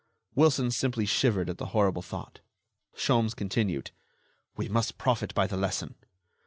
Wilson simply shivered at the horrible thought. Sholmes continued: "We must profit by the lesson.